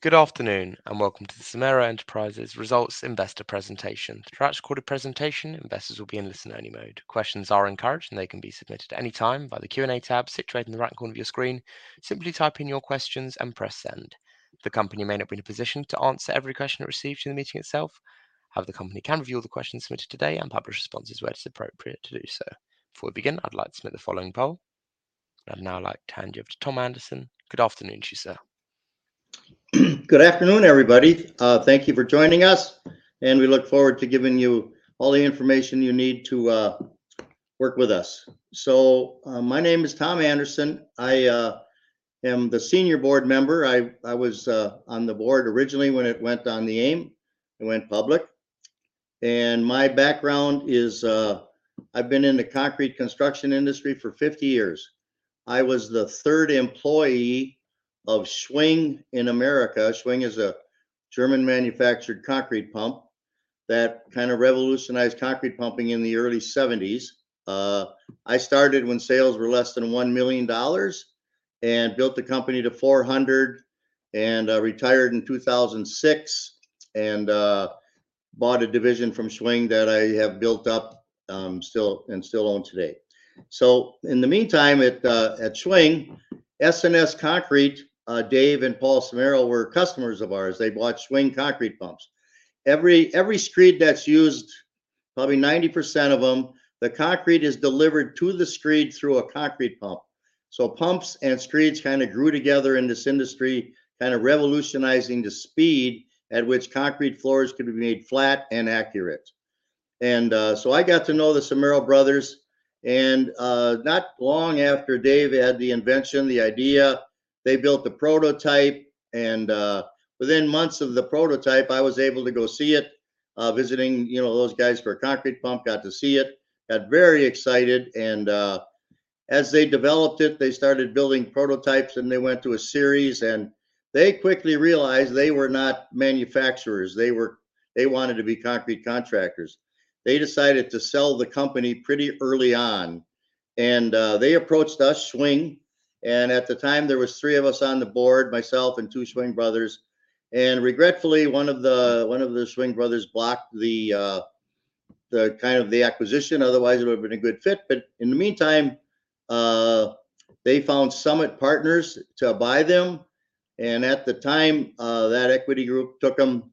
Good afternoon and welcome to the Somero Enterprises Results Investor Presentation. Throughout this recorded presentation, investors will be in listen-only mode. Questions are encouraged, and they can be submitted at any time by the Q&A tab situated in the right corner of your screen. Simply type in your questions and press send. The company may not be in a position to answer every question it receives in the meeting itself, however, the company can review the questions submitted today and publish responses where it is appropriate to do so. Before we begin, I'd like to submit the following poll. I'd now like to hand you over to Tom Anderson. Good afternoon to you, sir. Good afternoon, everybody. Thank you for joining us, and we look forward to giving you all the information you need to work with us. So my name is Tom Anderson. I am the senior board member. I was on the board originally when it went on the AIM and went public. And my background is I've been in the concrete construction industry for 50 years. I was the third employee of Schwing America. Schwing is a German-manufactured concrete pump that kind of revolutionized concrete pumping in the early '70s. I started when sales were less than $1 million and built the company to $400 million and retired in 2006 and bought a division from Schwing that I have built up and still own today. So in the meantime, at Schwing, S&S Concrete, Dave and Paul Somero were customers of ours. They bought Schwing concrete pumps. Every screed that's used, probably 90% of them, the concrete is delivered to the screed through a concrete pump. So pumps and screeds kind of grew together in this industry, kind of revolutionizing the speed at which concrete floors could be made flat and accurate. And so I got to know the Somero brothers. And not long after Dave had the invention, the idea, they built the prototype. And within months of the prototype, I was able to go see it, visiting those guys for a concrete pump, got to see it, got very excited. And as they developed it, they started building prototypes, and they went to a series. And they quickly realized they were not manufacturers. They wanted to be concrete contractors. They decided to sell the company pretty early on. And they approached us, Schwing. And at the time, there were three of us on the board, myself and two Schwing brothers. And regretfully, one of the Schwing brothers blocked kind of the acquisition. Otherwise, it would have been a good fit. But in the meantime, they found Summit Partners to buy them. And at the time, that equity group took them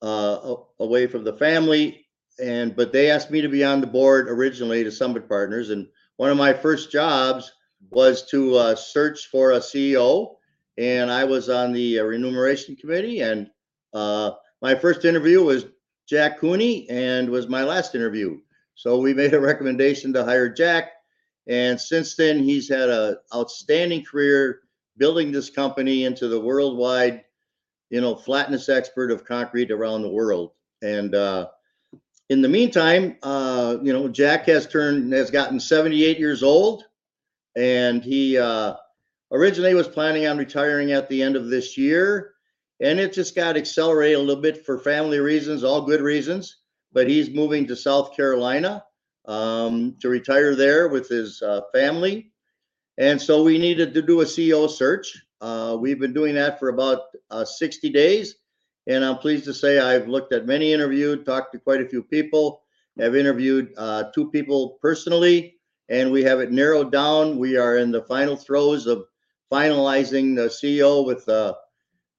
away from the family. But they asked me to be on the board originally to Summit Partners. And one of my first jobs was to search for a CEO. And I was on the remuneration committee. And my first interview was Jack Cooney and was my last interview. So we made a recommendation to hire Jack. And since then, he's had an outstanding career building this company into the worldwide flatness expert of concrete around the world. And in the meantime, Jack has gotten 78 years old. And he originally was planning on retiring at the end of this year. And it just got accelerated a little bit for family reasons, all good reasons. But he's moving to South Carolina to retire there with his family. And so we needed to do a CEO search. We've been doing that for about 60 days. And I'm pleased to say I've looked at many interviews, talked to quite a few people, have interviewed two people personally. And we have it narrowed down. We are in the final throes of finalizing the CEO with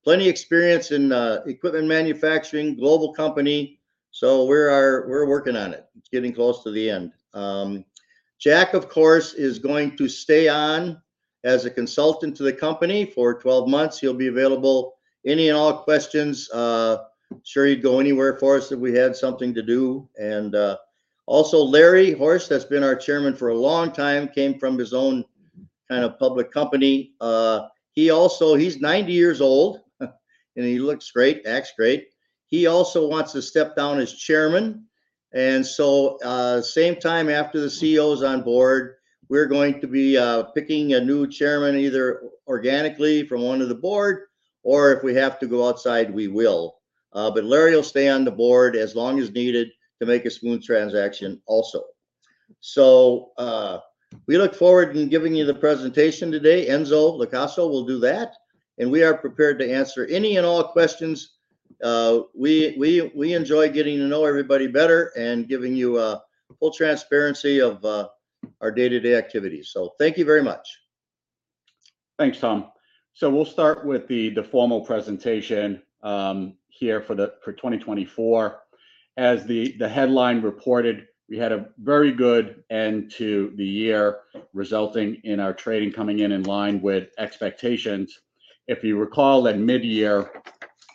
plenty of experience in equipment manufacturing, global company. So we're working on it. It's getting close to the end. Jack, of course, is going to stay on as a consultant to the company for 12 months. He'll be available for any and all questions. Sure, he'd go anywhere for us if we had something to do. Also, Larry Horsch, that's been our chairman for a long time, came from his own kind of public company. He's 90 years old, and he looks great, acts great. He also wants to step down as chairman. And so same time after the CEO's on board, we're going to be picking a new chairman either organically from one of the board or if we have to go outside, we will. But Larry will stay on the board as long as needed to make a smooth transition also. So we look forward to giving you the presentation today. Enzo LiCausi will do that. And we are prepared to answer any and all questions. We enjoy getting to know everybody better and giving you full transparency of our day-to-day activities. So thank you very much. Thanks, Tom. So we'll start with the formal presentation here for 2024. As the headline reported, we had a very good end to the year, resulting in our trading coming in in line with expectations. If you recall, in mid-year,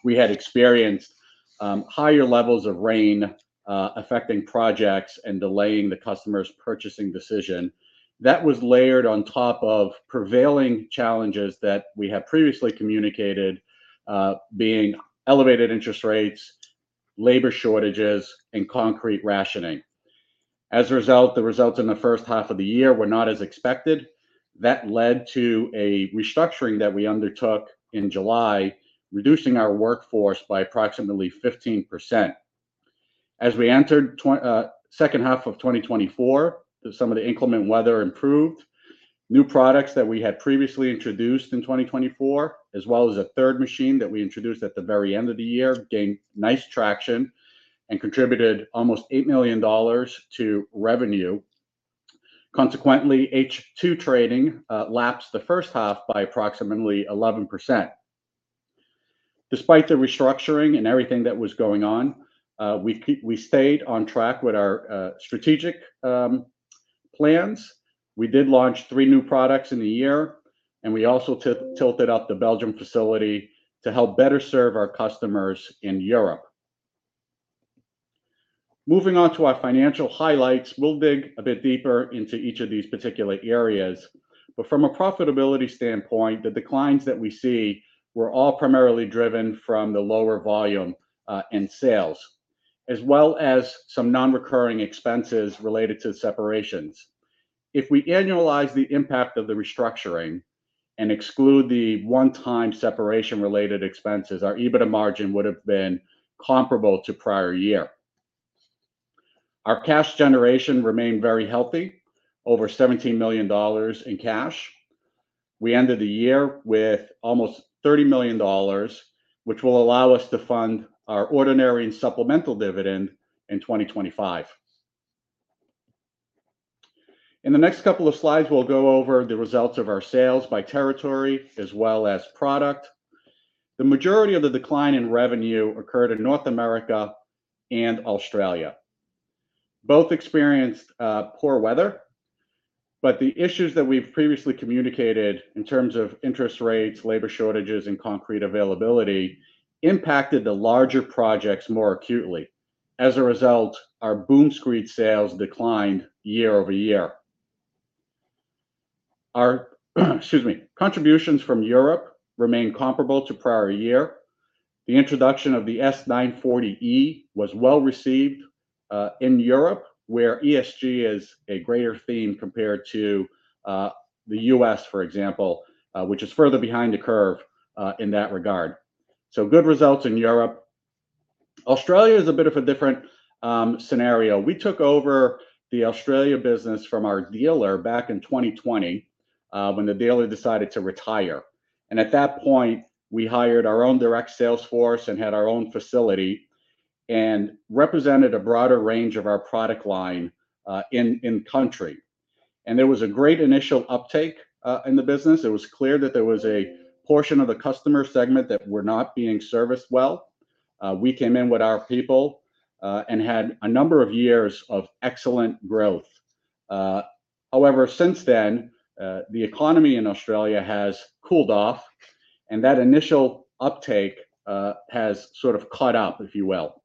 we had experienced higher levels of rain affecting projects and delaying the customer's purchasing decision. That was layered on top of prevailing challenges that we have previously communicated, being elevated interest rates, labor shortages, and concrete rationing. As a result, the results in the first half of the year were not as expected. That led to a restructuring that we undertook in July, reducing our workforce by approximately 15%. As we entered the second half of 2024, some of the inclement weather improved. New products that we had previously introduced in 2024, as well as a third machine that we introduced at the very end of the year, gained nice traction and contributed almost $8 million to revenue. Consequently, H2 trading lapped the first half by approximately 11%. Despite the restructuring and everything that was going on, we stayed on track with our strategic plans. We did launch three new products in the year, and we also tooled up the Belgium facility to help better serve our customers in Europe. Moving on to our financial highlights, we'll dig a bit deeper into each of these particular areas, but from a profitability standpoint, the declines that we see were all primarily driven from the lower volume and sales, as well as some non-recurring expenses related to separations. If we annualize the impact of the restructuring and exclude the one-time separation-related expenses, our EBITDA margin would have been comparable to prior year. Our cash generation remained very healthy, over $17 million in cash. We ended the year with almost $30 million, which will allow us to fund our ordinary and supplemental dividend in 2025. In the next couple of slides, we'll go over the results of our sales by territory, as well as product. The majority of the decline in revenue occurred in North America and Australia. Both experienced poor weather, but the issues that we've previously communicated in terms of interest rates, labor shortages, and concrete availability impacted the larger projects more acutely. As a result, our boom screed sales declined year over year. Contributions from Europe remain comparable to prior year. The introduction of the S-940e was well received in Europe, where ESG is a greater theme compared to the U.S., for example, which is further behind the curve in that regard, so good results in Europe. Australia is a bit of a different scenario. We took over the Australia business from our dealer back in 2020 when the dealer decided to retire, and at that point, we hired our own direct sales force and had our own facility and represented a broader range of our product line in country, and there was a great initial uptake in the business. It was clear that there was a portion of the customer segment that were not being serviced well. We came in with our people and had a number of years of excellent growth. However, since then, the economy in Australia has cooled off, and that initial uptake has sort of caught up, if you will.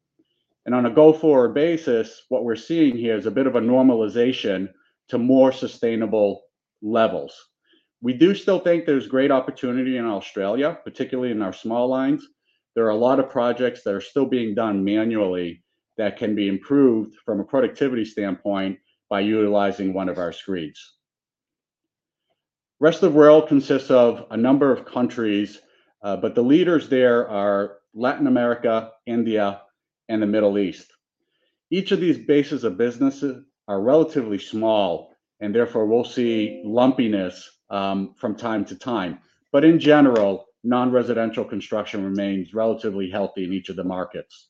And on a go-forward basis, what we're seeing here is a bit of a normalization to more sustainable levels. We do still think there's great opportunity in Australia, particularly in our small lines. There are a lot of projects that are still being done manually that can be improved from a productivity standpoint by utilizing one of our screeds. The rest of the world consists of a number of countries, but the leaders there are Latin America, India, and the Middle East. Each of these bases of businesses are relatively small, and therefore, we'll see lumpiness from time to time. But in general, non-residential construction remains relatively healthy in each of the markets.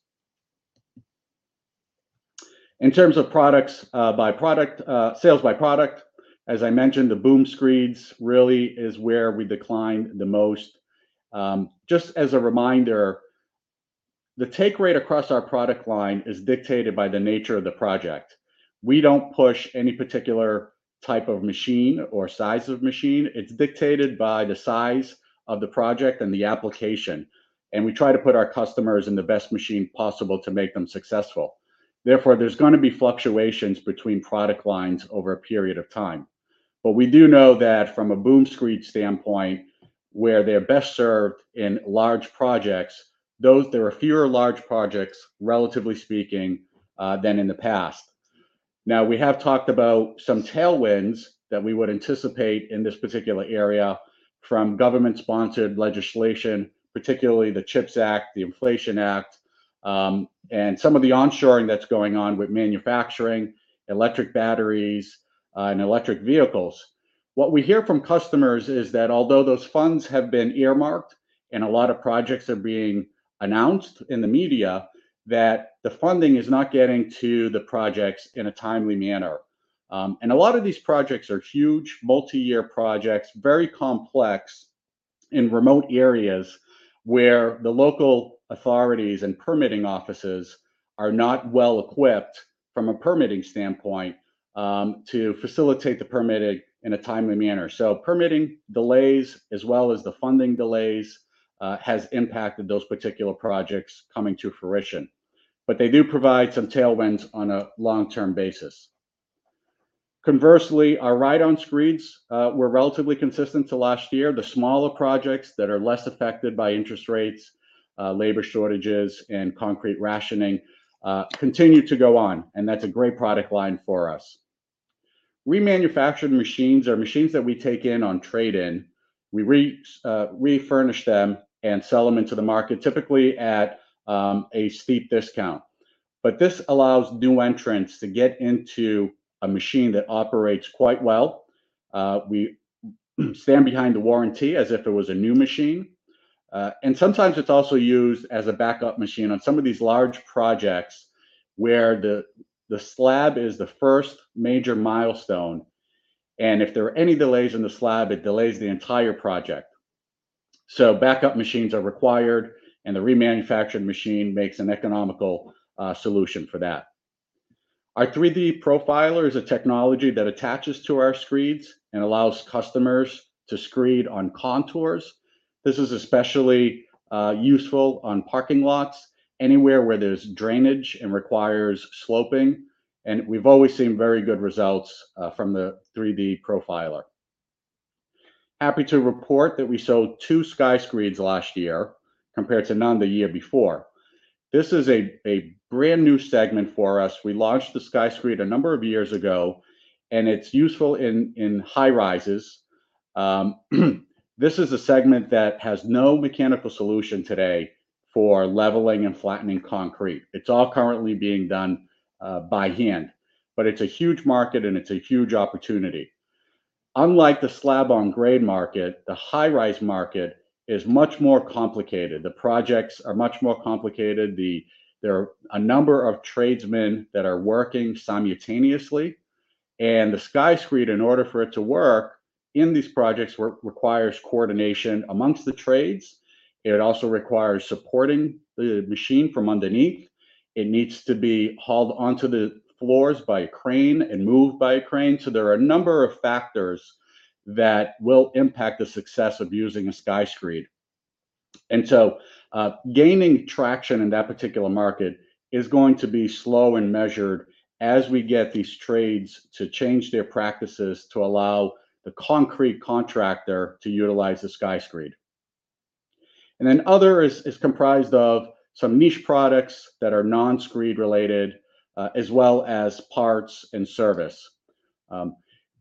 In terms of products by product, sales by product, as I mentioned, the boom screeds really is where we declined the most. Just as a reminder, the take rate across our product line is dictated by the nature of the project. We don't push any particular type of machine or size of machine. It's dictated by the size of the project and the application, and we try to put our customers in the best machine possible to make them successful. Therefore, there's going to be fluctuations between product lines over a period of time, but we do know that from a boom screed standpoint, where they're best served in large projects, there are fewer large projects, relatively speaking, than in the past. Now, we have talked about some tailwinds that we would anticipate in this particular area from government-sponsored legislation, particularly the CHIPS Act, the Inflation Act, and some of the onshoring that's going on with manufacturing, electric batteries, and electric vehicles. What we hear from customers is that although those funds have been earmarked and a lot of projects are being announced in the media, that the funding is not getting to the projects in a timely manner, and a lot of these projects are huge, multi-year projects, very complex in remote areas where the local authorities and permitting offices are not well equipped from a permitting standpoint to facilitate the permitting in a timely manner, so permitting delays, as well as the funding delays, have impacted those particular projects coming to fruition, but they do provide some tailwinds on a long-term basis. Conversely, our ride-on screeds were relatively consistent to last year. The smaller projects that are less affected by interest rates, labor shortages, and concrete rationing continue to go on and that's a great product line for us. We manufacture machines. They are machines that we take in on trade-in. We refurnish them and sell them into the market, typically at a steep discount. But this allows new entrants to get into a machine that operates quite well. We stand behind the warranty as if it was a new machine. And sometimes it's also used as a backup machine on some of these large projects where the slab is the first major milestone. And if there are any delays in the slab, it delays the entire project. So backup machines are required, and the remanufactured machine makes an economical solution for that. Our 3D Profiler is a technology that attaches to our screeds and allows customers to screed on contours. This is especially useful on parking lots, anywhere where there's drainage and requires sloping. And we've always seen very good results from the 3D Profiler. Happy to report that we sold two SkyScreeds last year compared to none the year before. This is a brand new segment for us. We launched the SkyScreed a number of years ago, and it's useful in high-rises. This is a segment that has no mechanical solution today for leveling and flattening concrete. It's all currently being done by hand. But it's a huge market, and it's a huge opportunity. Unlike the slab-on-grade market, the high-rise market is much more complicated. The projects are much more complicated. There are a number of tradesmen that are working simultaneously. The SkyScreed, in order for it to work in these projects, requires coordination among the trades. It also requires supporting the machine from underneath. It needs to be hauled onto the floors by a crane and moved by a crane. There are a number of factors that will impact the success of using a SkyScreed. Gaining traction in that particular market is going to be slow and measured as we get these trades to change their practices to allow the concrete contractor to utilize the SkyScreed. Other is comprised of some niche products that are non-screed related, as well as parts and service.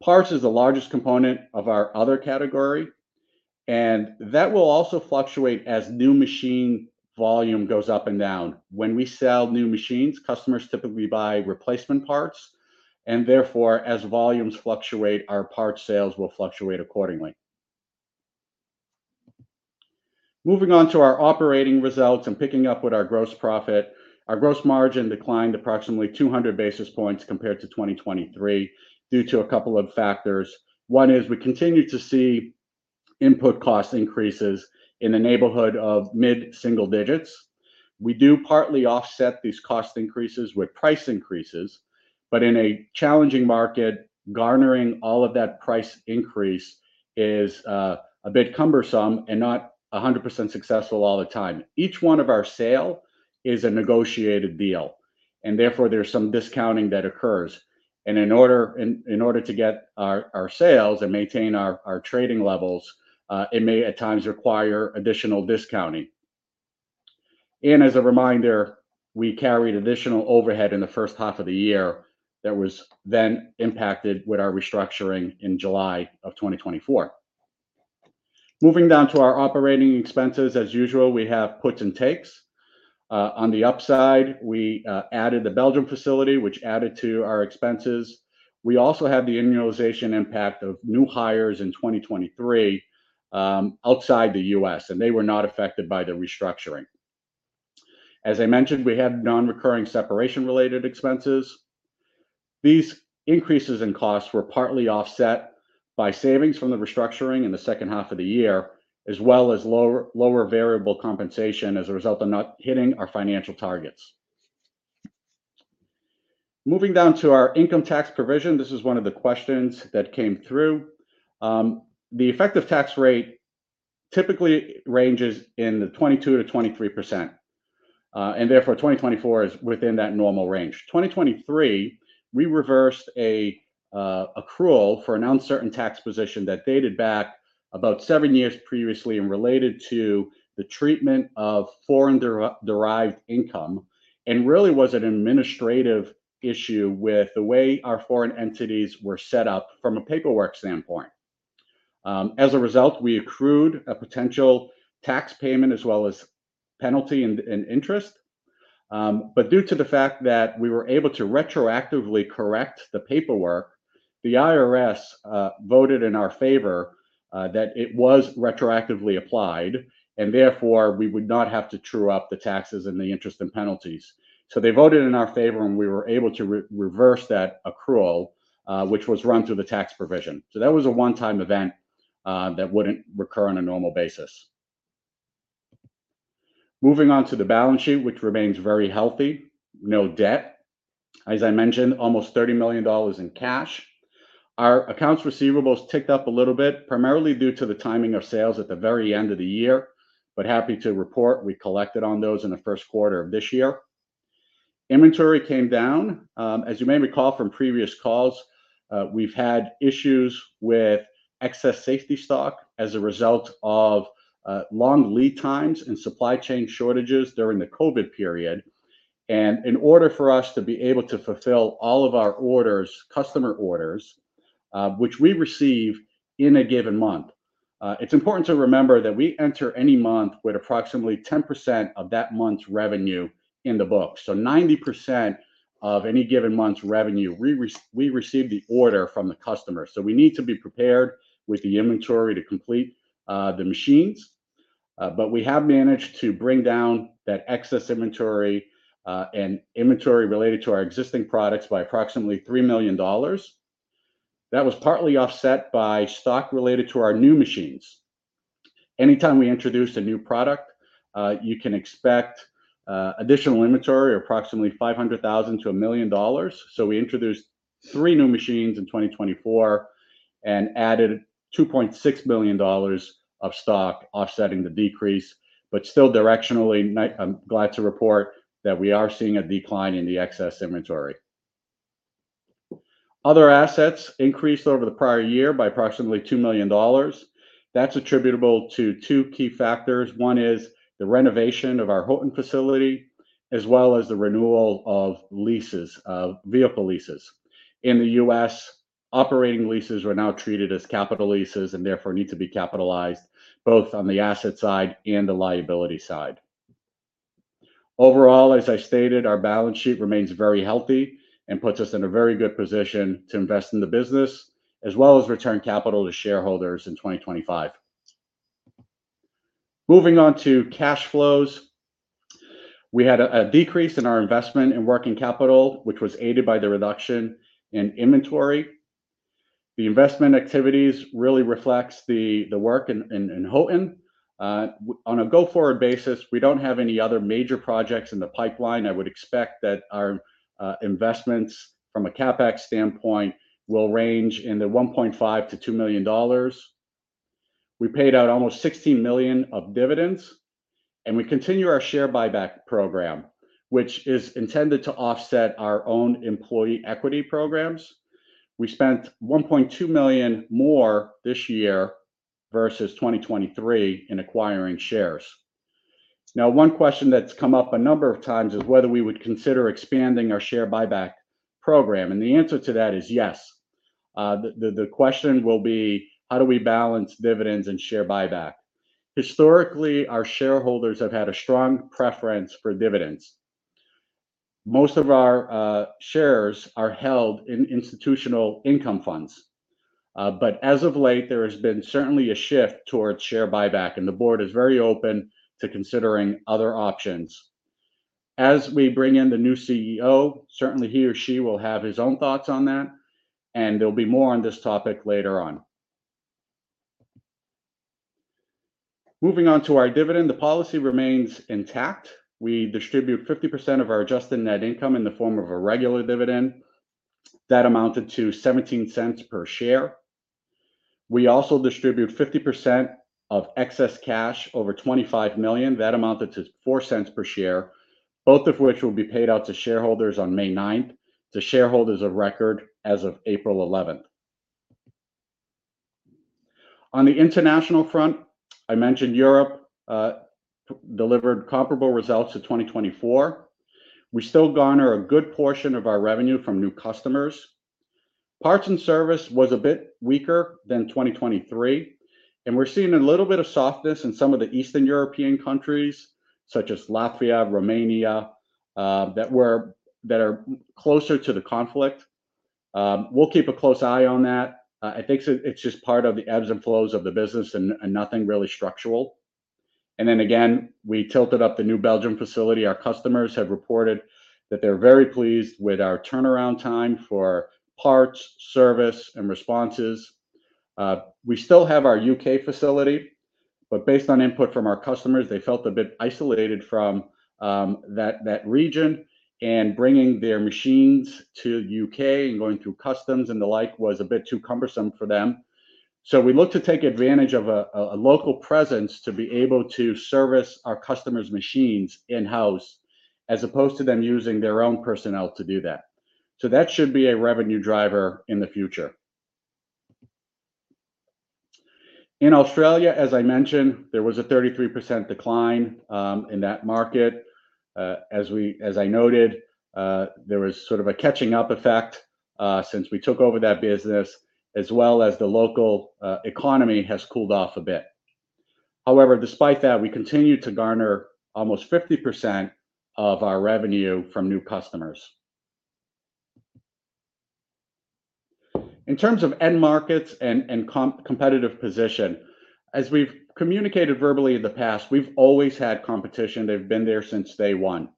Parts is the largest component of our other category. That will also fluctuate as new machine volume goes up and down. When we sell new machines, customers typically buy replacement parts. Therefore, as volumes fluctuate, our parts sales will fluctuate accordingly. Moving on to our operating results and picking up with our gross profit, our gross margin declined approximately 200 basis points compared to 2023 due to a couple of factors. One is we continue to see input cost increases in the neighborhood of mid-single digits. We do partly offset these cost increases with price increases. But in a challenging market, garnering all of that price increase is a bit cumbersome and not 100% successful all the time. Each one of our sales is a negotiated deal. Therefore, there's some discounting that occurs. In order to get our sales and maintain our trading levels, it may at times require additional discounting. As a reminder, we carried additional overhead in the first half of the year that was then impacted with our restructuring in July of 2024. Moving down to our operating expenses, as usual, we have puts and takes. On the upside, we added the Belgium facility, which added to our expenses. We also have the annualization impact of new hires in 2023 outside the U.S., and they were not affected by the restructuring. As I mentioned, we had non-recurring separation-related expenses. These increases in costs were partly offset by savings from the restructuring in the second half of the year, as well as lower variable compensation as a result of not hitting our financial targets. Moving down to our income tax provision, this is one of the questions that came through. The effective tax rate typically ranges in the 22%-23%. And therefore, 2024 is within that normal range. 2023, we reversed an accrual for an uncertain tax position that dated back about seven years previously and related to the treatment of foreign-derived income and really was an administrative issue with the way our foreign entities were set up from a paperwork standpoint. As a result, we accrued a potential tax payment as well as penalty and interest. But due to the fact that we were able to retroactively correct the paperwork, the IRS voted in our favor that it was retroactively applied, and therefore, we would not have to true up the taxes and the interest and penalties. So they voted in our favor, and we were able to reverse that accrual, which was run through the tax provision. So that was a one-time event that wouldn't recur on a normal basis. Moving on to the balance sheet, which remains very healthy, no debt. As I mentioned, almost $30 million in cash. Our accounts receivables ticked up a little bit, primarily due to the timing of sales at the very end of the year. But happy to report, we collected on those in the first quarter of this year. Inventory came down. As you may recall from previous calls, we've had issues with excess safety stock as a result of long lead times and supply chain shortages during the COVID period. And in order for us to be able to fulfill all of our orders, customer orders, which we receive in a given month, it's important to remember that we enter any month with approximately 10% of that month's revenue in the book. So 90% of any given month's revenue, we receive the order from the customer. So we need to be prepared with the inventory to complete the machines. But we have managed to bring down that excess inventory and inventory related to our existing products by approximately $3 million. That was partly offset by stock related to our new machines. Anytime we introduce a new product, you can expect additional inventory of approximately $500,000-$1 million. So we introduced three new machines in 2024 and added $2.6 million of stock offsetting the decrease. But still directionally, I'm glad to report that we are seeing a decline in the excess inventory. Other assets increased over the prior year by approximately $2 million. That's attributable to two key factors. One is the renovation of our Houghton facility, as well as the renewal of leases, vehicle leases. In the U.S., operating leases are now treated as capital leases and therefore need to be capitalized both on the asset side and the liability side. Overall, as I stated, our balance sheet remains very healthy and puts us in a very good position to invest in the business, as well as return capital to shareholders in 2025. Moving on to cash flows, we had a decrease in our investment in working capital, which was aided by the reduction in inventory. The investment activities really reflect the work in Houghton. On a go-forward basis, we don't have any other major projects in the pipeline. I would expect that our investments from a CapEx standpoint will range in the $1.5-$2 million. We paid out almost $16 million of dividends, and we continue our share buyback program, which is intended to offset our own employee equity programs. We spent $1.2 million more this year versus 2023 in acquiring shares. Now, one question that's come up a number of times is whether we would consider expanding our share buyback program. And the answer to that is yes. The question will be, how do we balance dividends and share buyback? Historically, our shareholders have had a strong preference for dividends. Most of our shares are held in institutional income funds. But as of late, there has been certainly a shift towards share buyback, and the board is very open to considering other options. As we bring in the new CEO, certainly he or she will have his own thoughts on that. And there'll be more on this topic later on. Moving on to our dividend, the policy remains intact. We distribute 50% of our adjusted net income in the form of a regular dividend. That amounted to $0.17 per share. We also distribute 50% of excess cash over $25 million. That amounted to $0.04 per share, both of which will be paid out to shareholders on May 9th, to shareholders of record as of April 11th. On the international front, I mentioned Europe delivered comparable results to 2024. We still garner a good portion of our revenue from new customers. Parts and service was a bit weaker than 2023, and we're seeing a little bit of softness in some of the Eastern European countries, such as Latvia, Romania, that are closer to the conflict. We'll keep a close eye on that. I think it's just part of the ebbs and flows of the business and nothing really structural, and then again, we tooled up the new Belgium facility. Our customers have reported that they're very pleased with our turnaround time for parts, service, and responses. We still have our U.K. facility. But based on input from our customers, they felt a bit isolated from that region. And bringing their machines to the U.K. and going through customs and the like was a bit too cumbersome for them. So we look to take advantage of a local presence to be able to service our customers' machines in-house, as opposed to them using their own personnel to do that. So that should be a revenue driver in the future. In Australia, as I mentioned, there was a 33% decline in that market. As I noted, there was sort of a catching-up effect since we took over that business, as well as the local economy has cooled off a bit. However, despite that, we continue to garner almost 50% of our revenue from new customers. In terms of end markets and competitive position, as we've communicated verbally in the past, we've always had competition. They've been there since day one.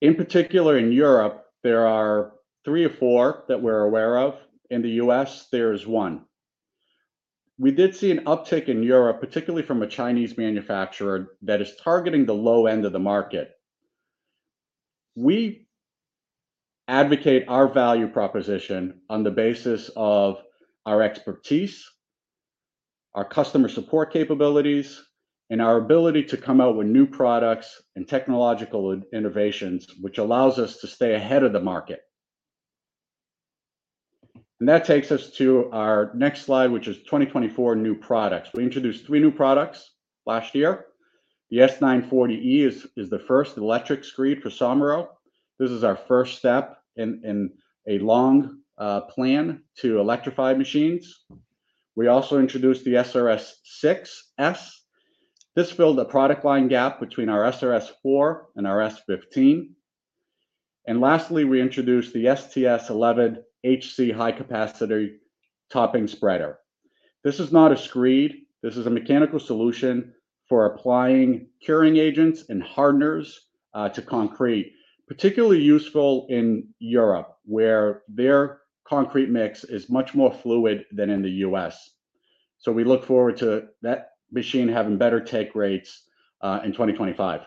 In particular, in Europe, there are three or four that we're aware of. In the U.S., there is one. We did see an uptick in Europe, particularly from a Chinese manufacturer that is targeting the low end of the market. We advocate our value proposition on the basis of our expertise, our customer support capabilities, and our ability to come out with new products and technological innovations, which allows us to stay ahead of the market. And that takes us to our next slide, which is 2024 new products. We introduced three new products last year. The S-940e is the first electric screed for Somero. This is our first step in a long plan to electrify machines. We also introduced the SRS-6. This filled the product line gap between our SRS-4 and our S-15. And lastly, we introduced the STS-11HC high-capacity topping spreader. This is not a screed. This is a mechanical solution for applying curing agents and hardeners to concrete, particularly useful in Europe, where their concrete mix is much more fluid than in the U.S. We look forward to that machine having better take rates in 2025.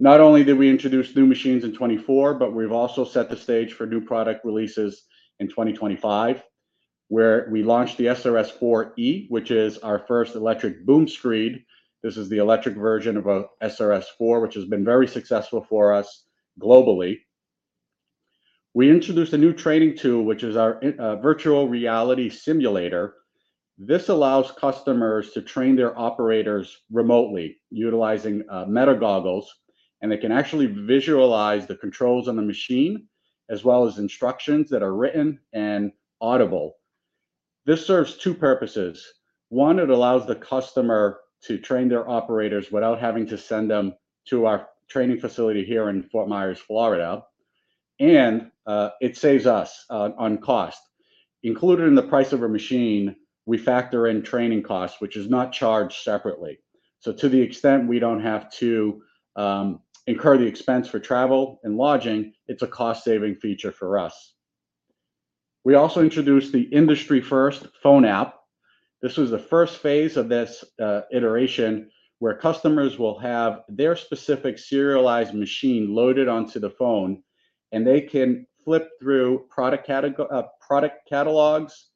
Not only did we introduce new machines in 2024, but we've also set the stage for new product releases in 2025, where we launched the SRS-4e, which is our first electric boom screed. This is the electric version of SRS-4, which has been very successful for us globally. We introduced a new training tool, which is our virtual reality simulator. This allows customers to train their operators remotely utilizing Meta goggles, and they can actually visualize the controls on the machine, as well as instructions that are written and audible. This serves two purposes. One, it allows the customer to train their operators without having to send them to our training facility here in Fort Myers, Florida, and it saves us on cost. Included in the price of a machine, we factor in training costs, which is not charged separately, so to the extent we don't have to incur the expense for travel and lodging, it's a cost-saving feature for us. We also introduced the industry-first phone app. This was the first phase of this iteration, where customers will have their specific serialized machine loaded onto the phone, and they can flip through product catalogs,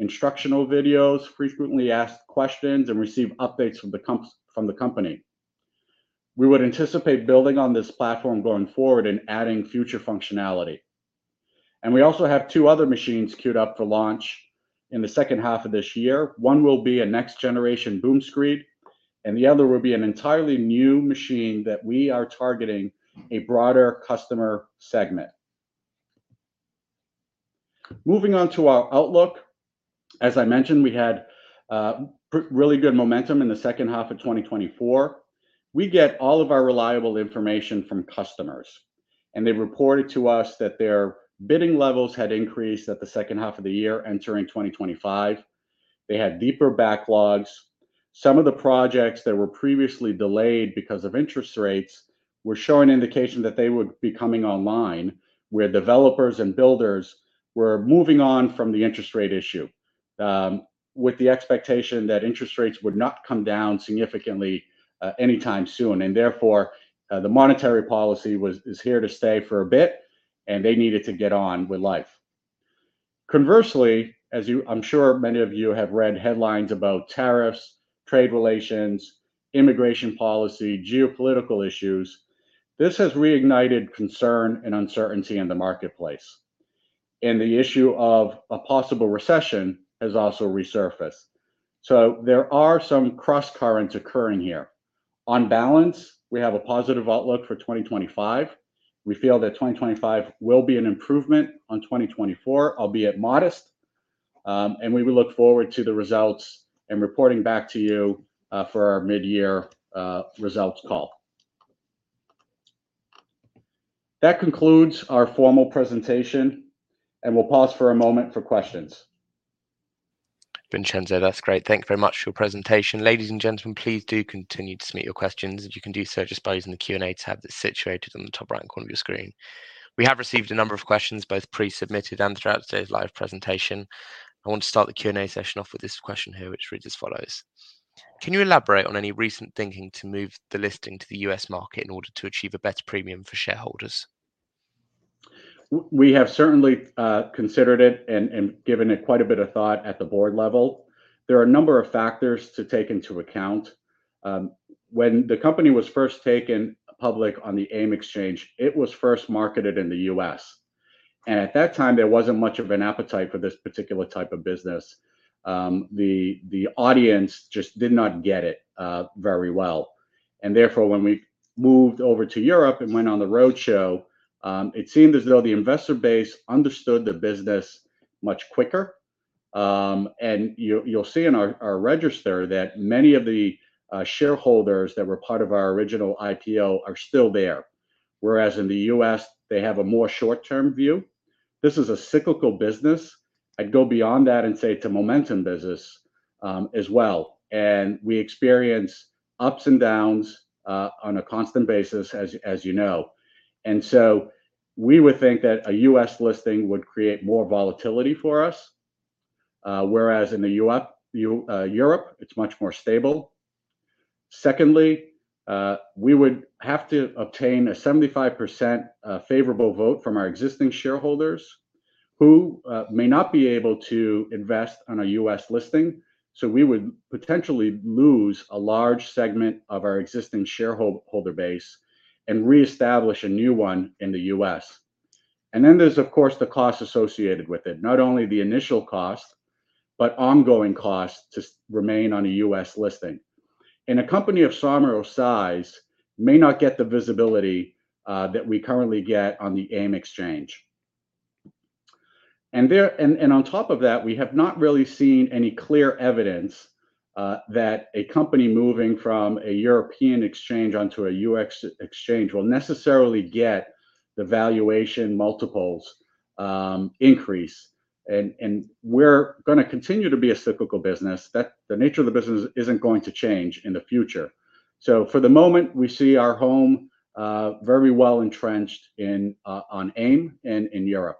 instructional videos, frequently asked questions, and receive updates from the company. We would anticipate building on this platform going forward and adding future functionality, and we also have two other machines queued up for launch in the second half of this year. One will be a next-generation boom screed, and the other will be an entirely new machine that we are targeting a broader customer segment. Moving on to our outlook, as I mentioned, we had really good momentum in the second half of 2024. We get all of our reliable information from customers, and they reported to us that their bidding levels had increased at the second half of the year entering 2025. They had deeper backlogs. Some of the projects that were previously delayed because of interest rates were showing indication that they would be coming online, where developers and builders were moving on from the interest rate issue, with the expectation that interest rates would not come down significantly anytime soon. Therefore, the monetary policy is here to stay for a bit, and they needed to get on with life. Conversely, as I'm sure many of you have read headlines about tariffs, trade relations, immigration policy, geopolitical issues. This has reignited concern and uncertainty in the marketplace. And the issue of a possible recession has also resurfaced. So there are some cross currents occurring here. On balance, we have a positive outlook for 2025. We feel that 2025 will be an improvement on 2024, albeit modest. And we will look forward to the results and reporting back to you for our mid-year results call. That concludes our formal presentation. And we'll pause for a moment for questions. Vincenzo, that's great. Thank you very much for your presentation. Ladies and gentlemen, please do continue to submit your questions. If you can do so, just by using the Q&A tab that's situated on the top right corner of your screen. We have received a number of questions, both pre-submitted and throughout today's live presentation. I want to start the Q&A session off with this question here, which reads as follows. Can you elaborate on any recent thinking to move the listing to the U.S. market in order to achieve a better premium for shareholders? We have certainly considered it and given it quite a bit of thought at the board level. There are a number of factors to take into account. When the company was first taken public on the AIM exchange, it was first marketed in the U.S., and at that time, there wasn't much of an appetite for this particular type of business. The audience just did not get it very well, and therefore, when we moved over to Europe and went on the roadshow, it seemed as though the investor base understood the business much quicker, and you'll see in our register that many of the shareholders that were part of our original IPO are still there, whereas in the U.S., they have a more short-term view. This is a cyclical business. I'd go beyond that and say it's a momentum business as well. And we experience ups and downs on a constant basis, as you know. And so we would think that a U.S. listing would create more volatility for us, whereas in Europe, it's much more stable. Secondly, we would have to obtain a 75% favorable vote from our existing shareholders, who may not be able to invest on a U.S. listing. So we would potentially lose a large segment of our existing shareholder base and reestablish a new one in the U.S. And then there's, of course, the cost associated with it, not only the initial cost, but ongoing costs to remain on a U.S. listing. And a company of Somero size may not get the visibility that we currently get on the AIM exchange. And on top of that, we have not really seen any clear evidence that a company moving from a European exchange onto a US exchange will necessarily get the valuation multiples increase. And we're going to continue to be a cyclical business. The nature of the business isn't going to change in the future. So for the moment, we see our home very well entrenched on AIM in Europe.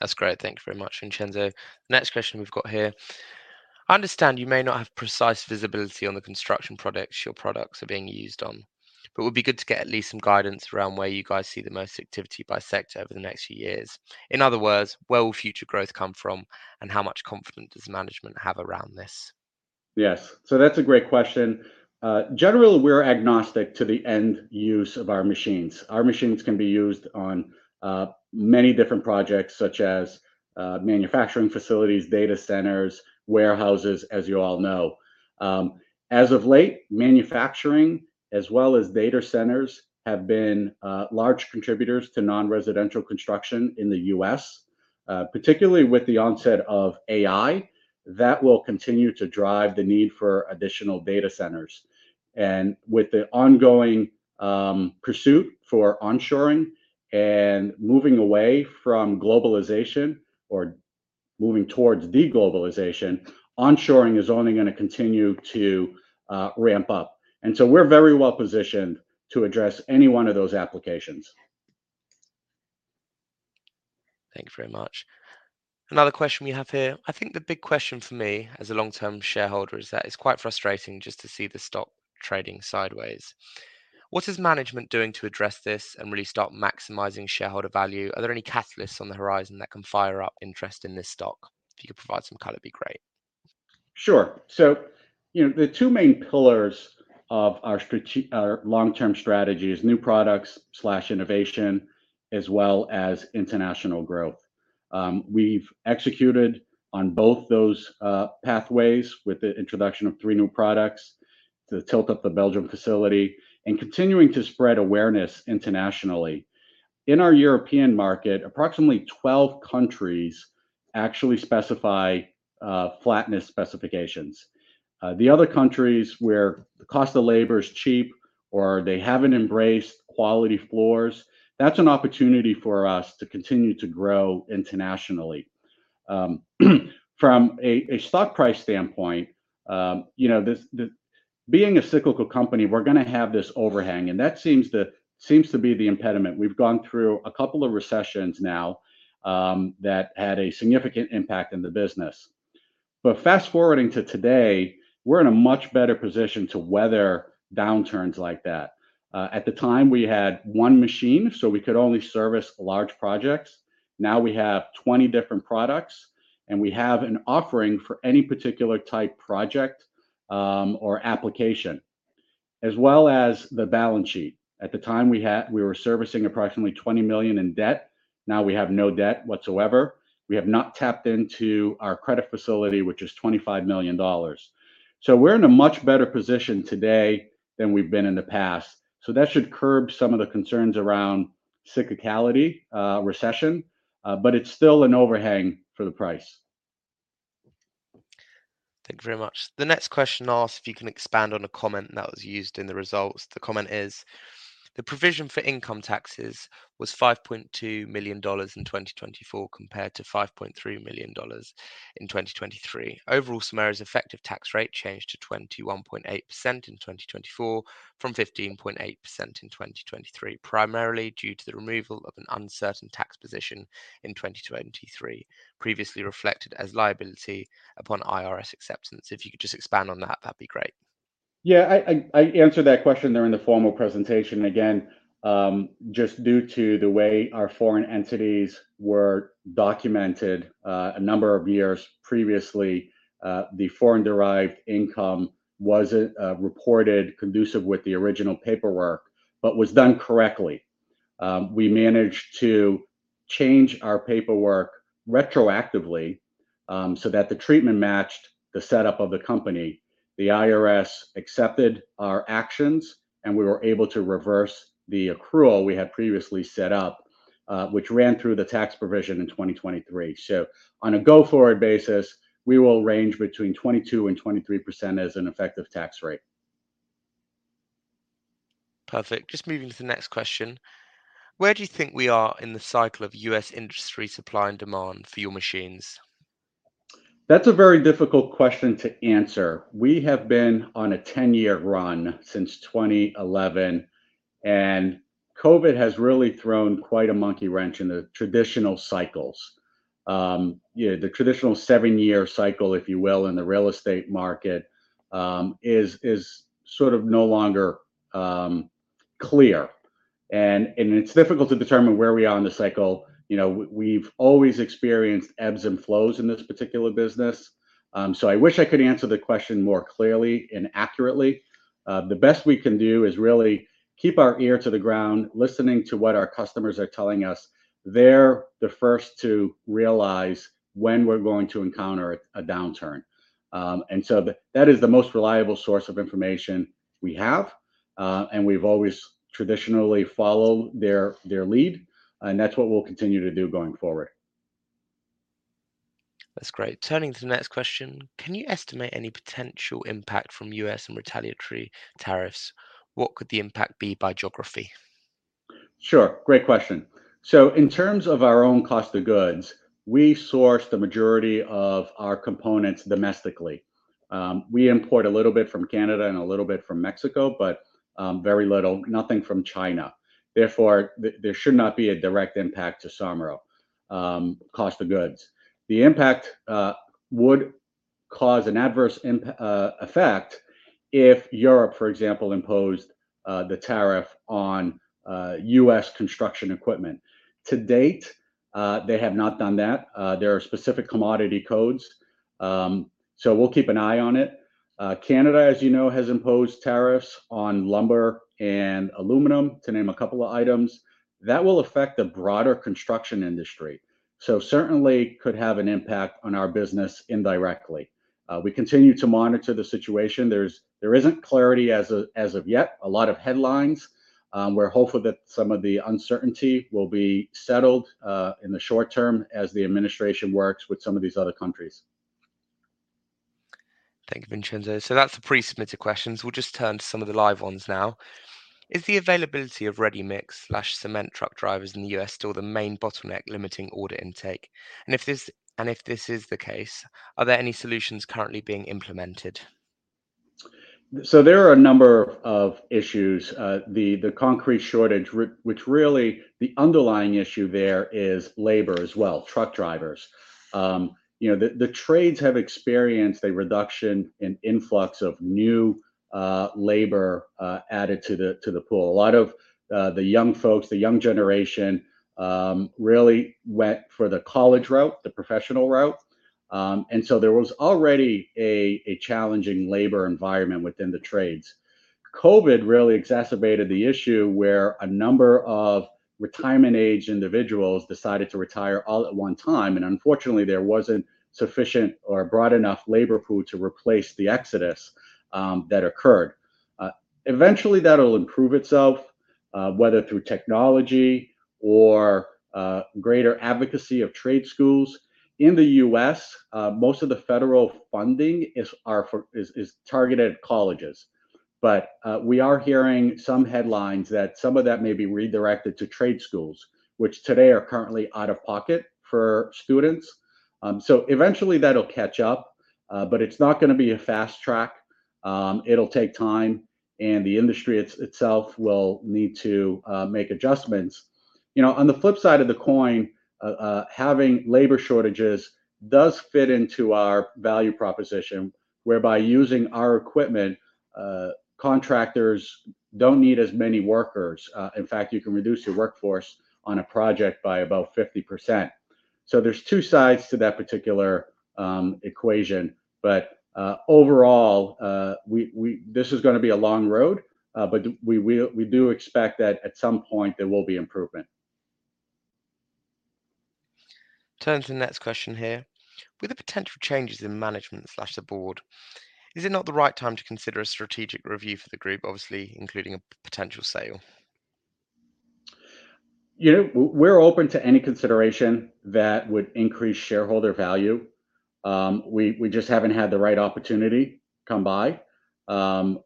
That's great. Thank you very much, Vincenzo. Next question we've got here. I understand you may not have precise visibility on the construction products your products are being used on, but it would be good to get at least some guidance around where you guys see the most activity by sector over the next few years. In other words, where will future growth come from and how much confidence does management have around this? Yes. So that's a great question. Generally, we're agnostic to the end use of our machines. Our machines can be used on many different projects, such as manufacturing facilities, data centers, warehouses, as you all know. As of late, manufacturing, as well as data centers, have been large contributors to non-residential construction in the U.S., particularly with the onset of AI that will continue to drive the need for additional data centers. And with the ongoing pursuit for onshoring and moving away from globalization or moving towards deglobalization, onshoring is only going to continue to ramp up. And so we're very well positioned to address any one of those applications. Thank you very much. Another question we have here. I think the big question for me as a long-term shareholder is that it's quite frustrating just to see the stock trading sideways. What is management doing to address this and really start maximizing shareholder value? Are there any catalysts on the horizon that can fire up interest in this stock? If you could provide some color, it'd be great. Sure. So the two main pillars of our long-term strategy are new products/innovation, as well as international growth. We've executed on both those pathways with the introduction of three new products to tooled up the Belgium facility and continuing to spread awareness internationally. In our European market, approximately 12 countries actually specify flatness specifications. The other countries where the cost of labor is cheap or they haven't embraced quality floors, that's an opportunity for us to continue to grow internationally. From a stock price standpoint, being a cyclical company, we're going to have this overhang. And that seems to be the impediment. We've gone through a couple of recessions now that had a significant impact in the business. But fast forwarding to today, we're in a much better position to weather downturns like that. At the time, we had one machine, so we could only service large projects. Now we have 20 different products, and we have an offering for any particular type project or application, as well as the balance sheet. At the time, we were servicing approximately $20 million in debt. Now we have no debt whatsoever. We have not tapped into our credit facility, which is $25 million. So we're in a much better position today than we've been in the past. So that should curb some of the concerns around cyclicality, recession, but it's still an overhang for the price. Thank you very much. The next question asks if you can expand on a comment that was used in the results. The comment is, the provision for income taxes was $5.2 million in 2024 compared to $5.3 million in 2023. Overall, Somero's effective tax rate changed to 21.8% in 2024 from 15.8% in 2023, primarily due to the removal of an uncertain tax position in 2023, previously reflected as liability upon IRS acceptance. If you could just expand on that, that'd be great. Yeah, I answered that question there in the formal presentation. Again, just due to the way our foreign entities were documented a number of years previously, the foreign-derived income wasn't reported consistent with the original paperwork, but was done correctly. We managed to change our paperwork retroactively so that the treatment matched the setup of the company. The IRS accepted our actions, and we were able to reverse the accrual we had previously set up, which ran through the tax provision in 2023. So on a go-forward basis, we will range between 22% and 23% as an effective tax rate. Perfect. Just moving to the next question. Where do you think we are in the cycle of U.S. industry supply and demand for your machines? That's a very difficult question to answer. We have been on a 10-year run since 2011, and COVID has really thrown quite a monkey wrench in the traditional cycles. The traditional seven-year cycle, if you will, in the real estate market is sort of no longer clear. And it's difficult to determine where we are in the cycle. We've always experienced ebbs and flows in this particular business. So I wish I could answer the question more clearly and accurately. The best we can do is really keep our ear to the ground, listening to what our customers are telling us. They're the first to realize when we're going to encounter a downturn. And so that is the most reliable source of information we have. And we've always traditionally followed their lead. And that's what we'll continue to do going forward. That's great. Turning to the next question. Can you estimate any potential impact from U.S. and retaliatory tariffs? What could the impact be by geography? Sure. Great question. So in terms of our own cost of goods, we source the majority of our components domestically. We import a little bit from Canada and a little bit from Mexico, but very little, nothing from China. Therefore, there should not be a direct impact to Somero cost of goods. The impact would cause an adverse effect if Europe, for example, imposed the tariff on U.S. construction equipment. To date, they have not done that. There are specific commodity codes. So we'll keep an eye on it. Canada, as you know, has imposed tariffs on lumber and aluminum, to name a couple of items. That will affect the broader construction industry. So certainly could have an impact on our business indirectly. We continue to monitor the situation. There isn't clarity as of yet. A lot of headlines. We're hopeful that some of the uncertainty will be settled in the short term as the administration works with some of these other countries. Thank you, Vincenzo. So that's the pre-submitted questions. We'll just turn to some of the live ones now. Is the availability of ready-mix/cement truck drivers in the U.S. still the main bottleneck limiting order intake? And if this is the case, are there any solutions currently being implemented? So there are a number of issues. The concrete shortage, which really the underlying issue there is labor as well, truck drivers. The trades have experienced a reduction in influx of new labor added to the pool. A lot of the young folks, the young generation, really went for the college route, the professional route. And so there was already a challenging labor environment within the trades. COVID really exacerbated the issue where a number of retirement-age individuals decided to retire all at one time. And unfortunately, there wasn't sufficient or broad enough labor pool to replace the exodus that occurred. Eventually, that'll improve itself, whether through technology or greater advocacy of trade schools. In the U.S., most of the federal funding is targeted at colleges. But we are hearing some headlines that some of that may be redirected to trade schools, which today are currently out of pocket for students. So eventually, that'll catch up, but it's not going to be a fast track. It'll take time, and the industry itself will need to make adjustments. On the flip side of the coin, having labor shortages does fit into our value proposition whereby using our equipment, contractors don't need as many workers. In fact, you can reduce your workforce on a project by about 50%. So there's two sides to that particular equation. But overall, this is going to be a long road, but we do expect that at some point, there will be improvement. Turning to the next question here. With the potential changes in management or the board, is it not the right time to consider a strategic review for the group, obviously, including a potential sale? We're open to any consideration that would increase shareholder value. We just haven't had the right opportunity come by.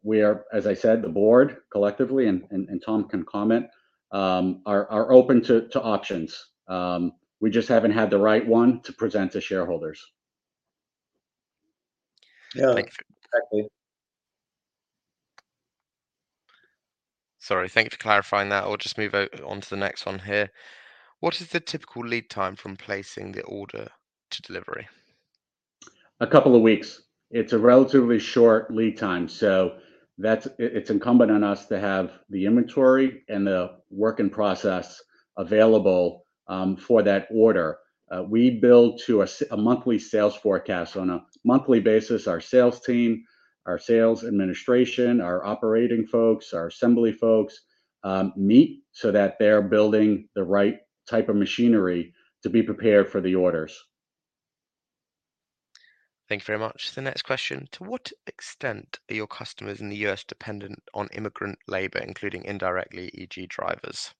We are, as I said, the board collectively, and Tom can comment, are open to options. We just haven't had the right one to present to shareholders. Thank you. Sorry, thank you for clarifying that. I'll just move on to the next one here. What is the typical lead time from placing the order to delivery? A couple of weeks. It's a relatively short lead time. So it's incumbent on us to have the inventory and the work in process available for that order. We build to a monthly sales forecast. On a monthly basis, our sales team, our sales administration, our operating folks, our assembly folks meet so that they're building the right type of machinery to be prepared for the orders. Thank you very much. The next question. To what extent are your customers in the U.S. dependent on immigrant labor, including indirectly, e.g., drivers?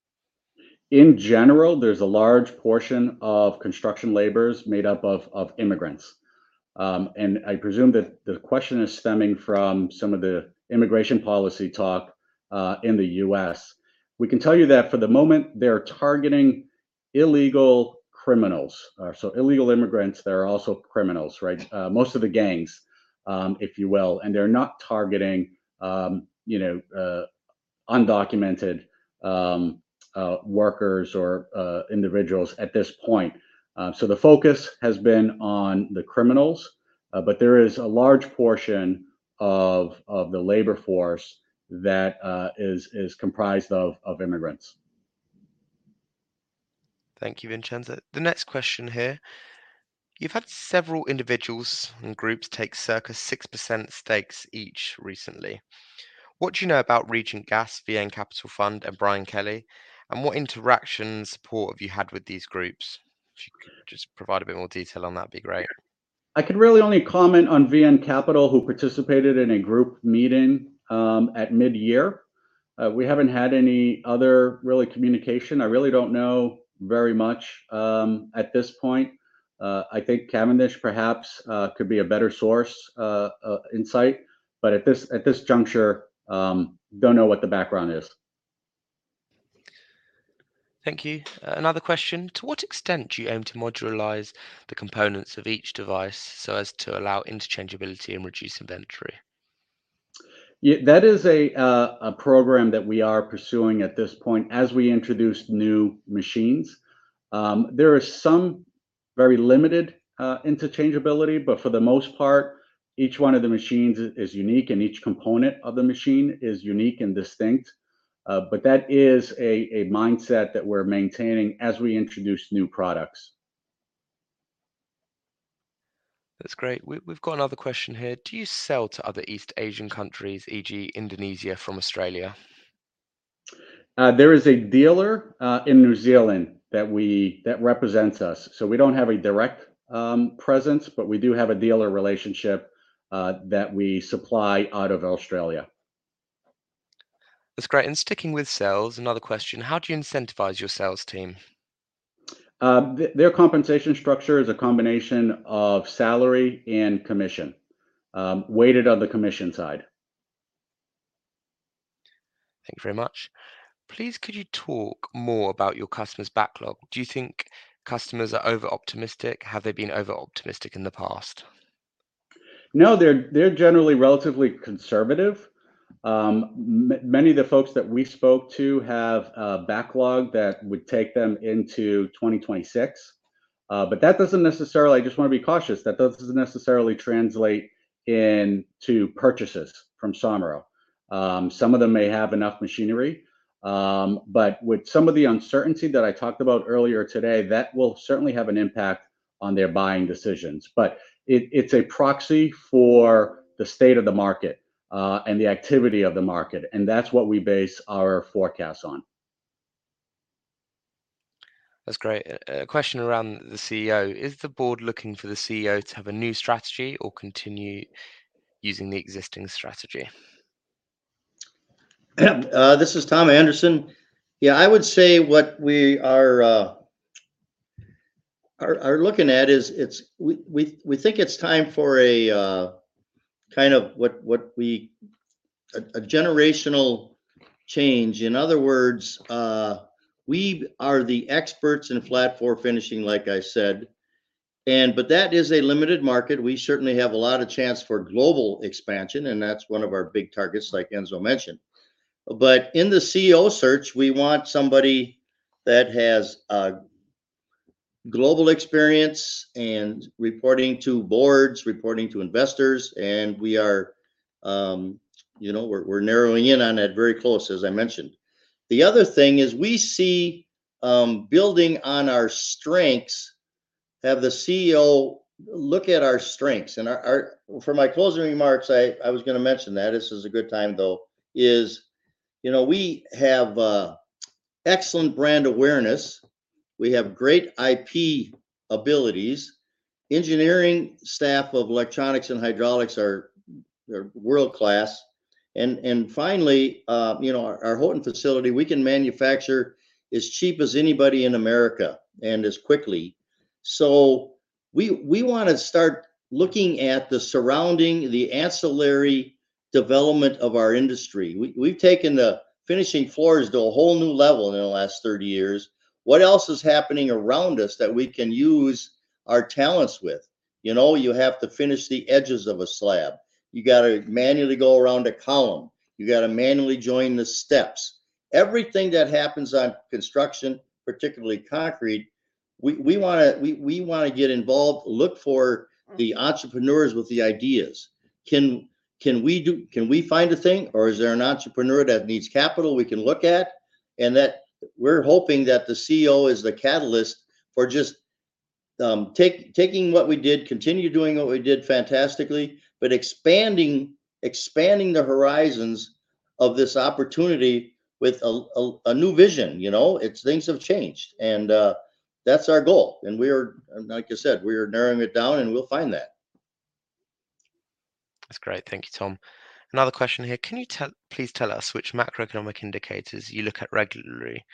In general, there's a large portion of construction laborers made up of immigrants. And I presume that the question is stemming from some of the immigration policy talk in the U.S. We can tell you that for the moment, they're targeting illegal criminals. So illegal immigrants, they're also criminals, right? Most of the gangs, if you will. And they're not targeting undocumented workers or individuals at this point. So the focus has been on the criminals, but there is a large portion of the labor force that is comprised of immigrants. Thank you, Vincenzo. The next question here. You've had several individuals and groups take circa 6% stakes each recently. What do you know about Regent Gas, VN Capital Fund, and Brian Kelly? And what interaction and support have you had with these groups? If you could just provide a bit more detail on that, it'd be great. I can really only comment on VN Capital, who participated in a group meeting at mid-year. We haven't had any other real communication. I really don't know very much at this point. I think Cavendish perhaps could be a better source of insight. But at this juncture, I don't know what the background is. Thank you. Another question. To what extent do you aim to modularize the components of each device so as to allow interchangeability and reduce inventory? That is a program that we are pursuing at this point as we introduce new machines. There is some very limited interchangeability, but for the most part, each one of the machines is unique and each component of the machine is unique and distinct. But that is a mindset that we're maintaining as we introduce new products. That's great. We've got another question here. Do you sell to other East Asian countries, e.g., Indonesia from Australia? There is a dealer in New Zealand that represents us, so we don't have a direct presence, but we do have a dealer relationship that we supply out of Australia. That's great and sticking with sales, another question. How do you incentivize your sales team? Their compensation structure is a combination of salary and commission, weighted on the commission side. Thank you very much. Please, could you talk more about your customer's backlog? Do you think customers are over-optimistic? Have they been over-optimistic in the past? No, they're generally relatively conservative. Many of the folks that we spoke to have a backlog that would take them into 2026. But that doesn't necessarily, I just want to be cautious, that doesn't necessarily translate into purchases from Somero. Some of them may have enough machinery. But with some of the uncertainty that I talked about earlier today, that will certainly have an impact on their buying decisions. But it's a proxy for the state of the market and the activity of the market. And that's what we base our forecasts on. That's great. A question around the CEO. Is the board looking for the CEO to have a new strategy or continue using the existing strategy? This is Tom Anderson. Yeah, I would say what we are looking at is we think it's time for a kind of what we—a generational change. In other words, we are the experts in flat-floor finishing, like I said. But that is a limited market. We certainly have a lot of chance for global expansion, and that's one of our big targets, like Enzo mentioned. But in the CEO search, we want somebody that has global experience and reporting to boards, reporting to investors. We are narrowing in on that very close, as I mentioned. The other thing is we see building on our strengths, have the CEO look at our strengths. For my closing remarks, I was going to mention that. This is a good time, though, is we have excellent brand awareness. We have great IP abilities. Engineering staff of electronics and hydraulics are world-class. And finally, our Houghton facility, we can manufacture as cheap as anybody in America and as quickly. So we want to start looking at the surrounding, the ancillary development of our industry. We've taken the finishing floors to a whole new level in the last 30 years. What else is happening around us that we can use our talents with? You have to finish the edges of a slab. You got to manually go around a column. You got to manually join the steps. Everything that happens on construction, particularly concrete, we want to get involved, look for the entrepreneurs with the ideas. Can we find a thing, or is there an entrepreneur that needs capital we can look at? And we're hoping that the CEO is the catalyst for just taking what we did, continue doing what we did fantastically, but expanding the horizons of this opportunity with a new vision. Things have changed. And that's our goal. And like I said, we are narrowing it down, and we'll find that. That's great. Thank you, Tom. Another question here. Can you please tell us which macroeconomic indicators you look at regularly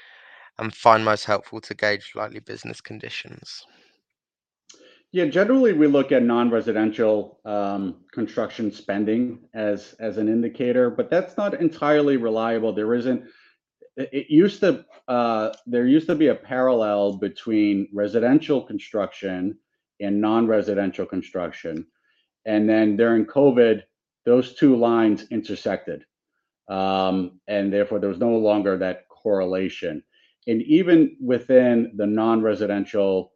and find most helpful to gauge likely business conditions? Yeah, generally, we look at non-residential construction spending as an indicator, but that's not entirely reliable. There used to be a parallel between residential construction and non-residential construction, and then during COVID, those two lines intersected, and therefore, there was no longer that correlation, and even within the non-residential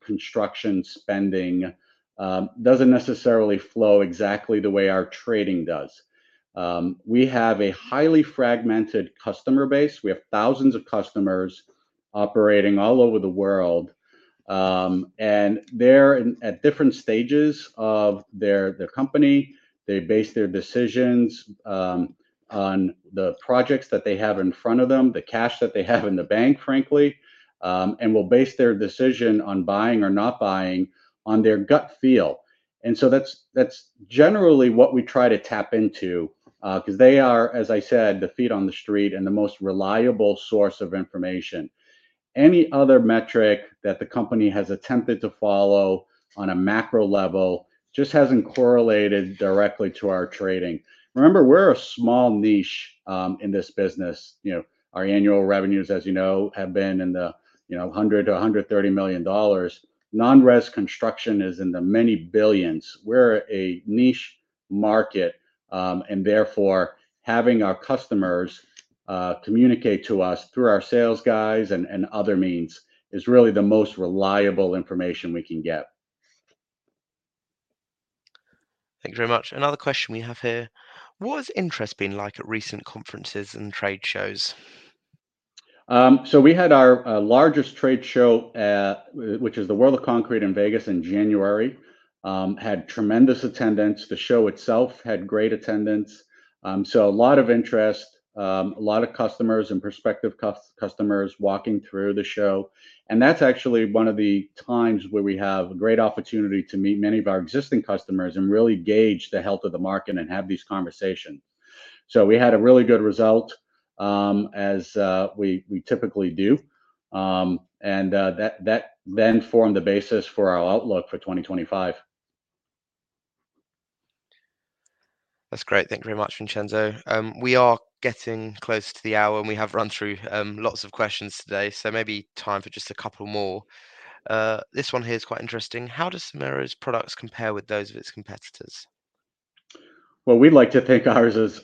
construction spending, it doesn't necessarily flow exactly the way our trading does. We have a highly fragmented customer base. We have thousands of customers operating all over the world, and they're at different stages of their company. They base their decisions on the projects that they have in front of them, the cash that they have in the bank, frankly, and will base their decision on buying or not buying on their gut feel. And so that's generally what we try to tap into because they are, as I said, the feet on the street and the most reliable source of information. Any other metric that the company has attempted to follow on a macro level just hasn't correlated directly to our trading. Remember, we're a small niche in this business. Our annual revenues, as you know, have been in the $100-$130 million. Non-res construction is in the many billions. We're a niche market. And therefore, having our customers communicate to us through our sales guys and other means is really the most reliable information we can get. Thank you very much. Another question we have here. What has interest been like at recent conferences and trade shows? So we had our largest trade show, which is the World of Concrete in Las Vegas in January, had tremendous attendance. The show itself had great attendance. So a lot of interest, a lot of customers and prospective customers walking through the show. And that's actually one of the times where we have a great opportunity to meet many of our existing customers and really gauge the health of the market and have these conversations. So we had a really good result, as we typically do. And that then formed the basis for our outlook for 2025. That's great. Thank you very much, Vincenzo. We are getting close to the hour, and we have run through lots of questions today. So maybe time for just a couple more. This one here is quite interesting. How does Somero's products compare with those of its competitors? We'd like to think ours is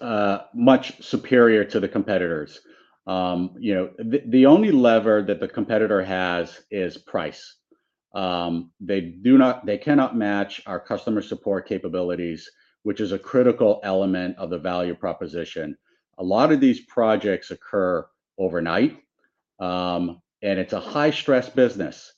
much superior to the competitors. The only lever that the competitor has is price. They cannot match our customer support capabilities, which is a critical element of the value proposition. A lot of these projects occur overnight, and it's a high-stress business.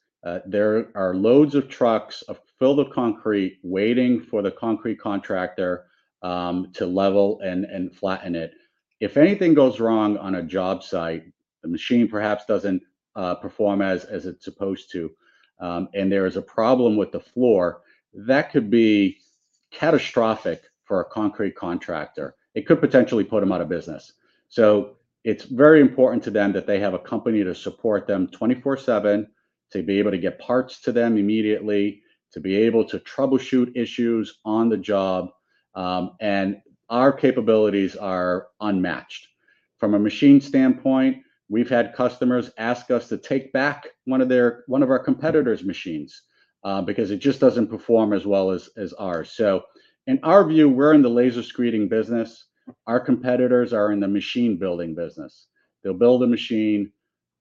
There are loads of trucks filled with concrete waiting for the concrete contractor to level and flatten it. If anything goes wrong on a job site, the machine perhaps doesn't perform as it's supposed to, and there is a problem with the floor, that could be catastrophic for a concrete contractor. It could potentially put them out of business. So it's very important to them that they have a company to support them 24/7, to be able to get parts to them immediately, to be able to troubleshoot issues on the job. And our capabilities are unmatched. From a machine standpoint, we've had customers ask us to take back one of our competitors' machines because it just doesn't perform as well as ours. So in our view, we're in the laser screeding business. Our competitors are in the machine building business. They'll build a machine.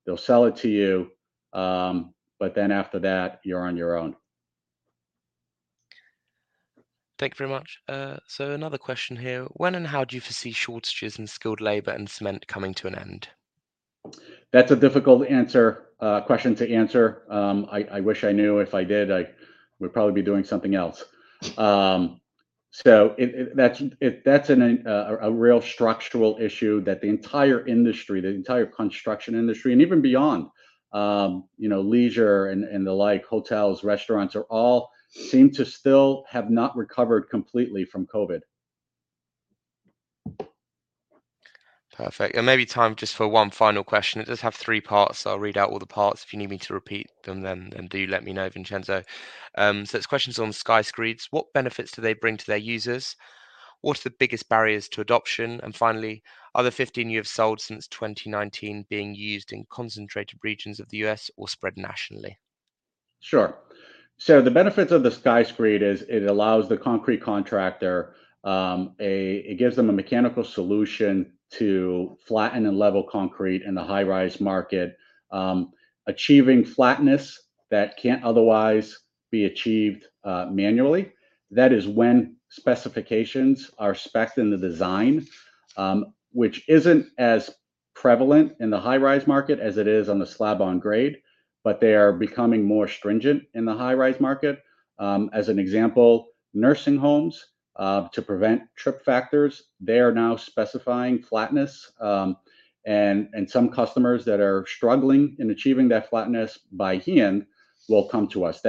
They'll sell it to you. But then after that, you're on your own. Thank you very much. So another question here. When and how do you foresee shortages in skilled labor and cement coming to an end? That's a difficult question to answer. I wish I knew. If I did, I would probably be doing something else. So that's a real structural issue that the entire industry, the entire construction industry, and even beyond, leisure and the like, hotels, restaurants, all seem to still have not recovered completely from COVID. Perfect. And maybe, Tom, just for one final question. It does have three parts. I'll read out all the parts. If you need me to repeat them, then do let me know, Vincenzo. So this question is on SkyScreeds. What benefits do they bring to their users? What are the biggest barriers to adoption? And finally, are the 15 you have sold since 2019 being used in concentrated regions of the U.S. or spread nationally? Sure. So the benefits of the SkyScreed is it allows the concrete contractor. It gives them a mechanical solution to flatten and level concrete in the high-rise market, achieving flatness that can't otherwise be achieved manually. That is when specifications are specced in the design, which isn't as prevalent in the high-rise market as it is on the slab-on-grade, but they are becoming more stringent in the high-rise market. As an example, nursing homes, to prevent trip factors, they are now specifying flatness, and some customers that are struggling in achieving that flatness by hand will come to us.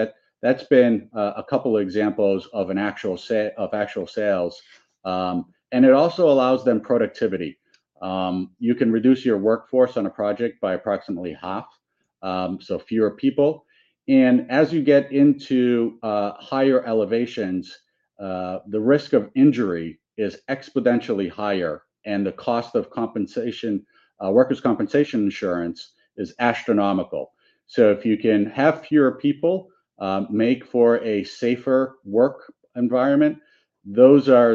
That's been a couple of examples of actual sales, and it also allows them productivity. You can reduce your workforce on a project by approximately half, so fewer people. And as you get into higher elevations, the risk of injury is exponentially higher, and the cost of workers' compensation insurance is astronomical. So if you can have fewer people make for a safer work environment, those are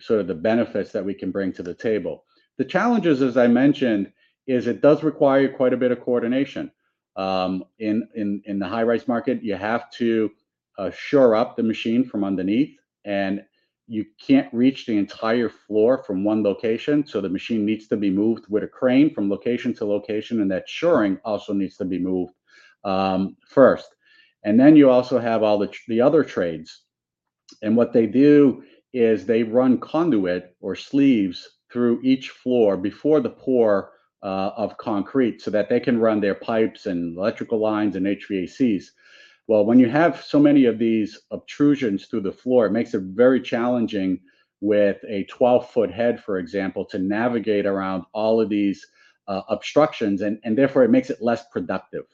sort of the benefits that we can bring to the table. The challenges, as I mentioned, is it does require quite a bit of coordination. In the high-rise market, you have to shore up the machine from underneath, and you can't reach the entire floor from one location. So the machine needs to be moved with a crane from location to location, and that shoring also needs to be moved first. And then you also have all the other trades. And what they do is they run conduit or sleeves through each floor before the pour of concrete so that they can run their pipes and electrical lines and HVACs. When you have so many of these protrusions through the floor, it makes it very challenging with a 12-foot head, for example, to navigate around all of these obstructions. And therefore, it makes it less productive.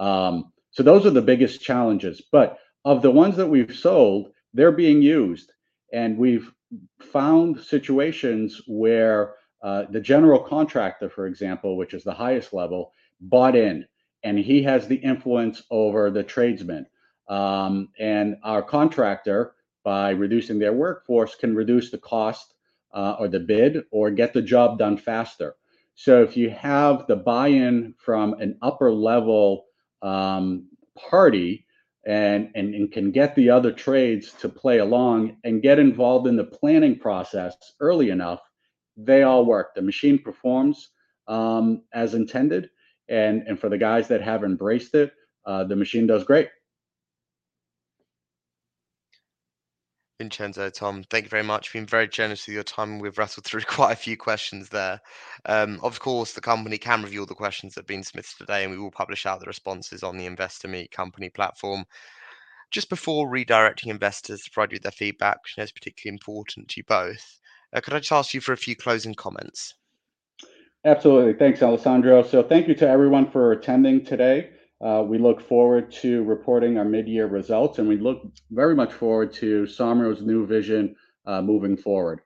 So those are the biggest challenges. But of the ones that we've sold, they're being used. And we've found situations where the general contractor, for example, which is the highest level, bought in. And he has the influence over the tradesmen. And our contractor, by reducing their workforce, can reduce the cost or the bid or get the job done faster. So if you have the buy-in from an upper-level party and can get the other trades to play along and get involved in the planning process early enough, they all work. The machine performs as intended. And for the guys that have embraced it, the machine does great. Vincenzo, Tom, thank you very much. You've been very generous with your time. We've wrestled through quite a few questions there. Of course, the company can review all the questions that have been submitted today, and we will publish out the responses on the Investor Meet Company platform. Just before redirecting investors to provide you with their feedback, which I know is particularly important to you both, could I just ask you for a few closing comments? Absolutely. Thanks, Alessandro. So thank you to everyone for attending today. We look forward to reporting our mid-year results, and we look very much forward to Somero's new vision moving forward.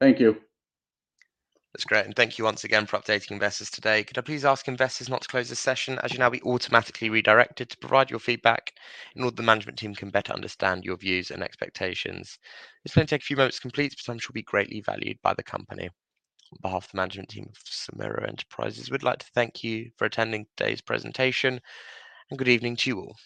Thank you. That's great, and thank you once again for updating investors today. Could I please ask investors not to close the session? As you know, we automatically redirected to provide your feedback in order the management team can better understand your views and expectations. This will only take a few moments to complete, but some should be greatly valued by the company. On behalf of the management team of Somero Enterprises, we'd like to thank you for attending today's presentation, and good evening to you all.